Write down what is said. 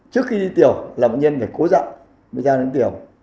trước khi đi tiểu là bệnh nhân phải cố dặn mới ra nước tiểu